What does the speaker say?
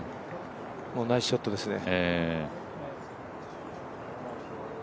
もうナイスショットですね。